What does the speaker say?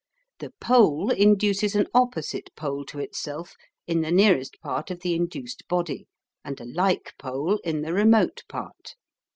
The pole induces an opposite pole to itself in the nearest part of the induced body and a like pole in the remote part.